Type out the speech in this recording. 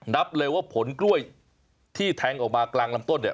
นับเลยว่าผลกล้วยที่แทงออกมากลางลำต้นเนี่ย